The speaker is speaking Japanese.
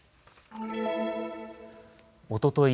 おととい